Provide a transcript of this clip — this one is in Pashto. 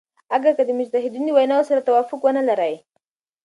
اګر که د مجتهدینو د ویناوو سره توافق ونه لری.